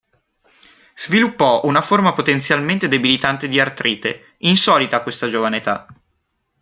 Sviluppò una forma potenzialmente debilitante di artrite, insolita a questa giovane età.